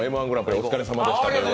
お疲れさまでした。